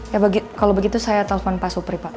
ya kalau begitu saya telepon pak supri pak